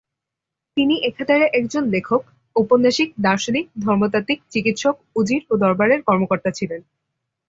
তিনি একাধারে একজন লেখক, ঔপন্যাসিক, দার্শনিক, ধর্মতাত্ত্বিক, চিকিৎসক, উজির ও দরবারের কর্মকর্তা ছিলেন।